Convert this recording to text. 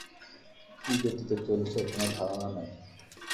কী ঘটতে চলেছে কোনও ধারণা নেই।